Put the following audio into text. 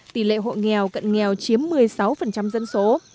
tỷ lệ hộ nghèo cận nghèo chiếm một mươi sáu dân số